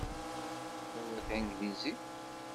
Tessawal tanglizit?